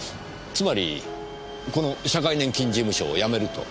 つまりこの社会年金事務所を辞めると。